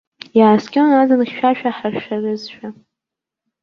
Иааскьон аӡын хьшәашәа ҳаршәарызшәа.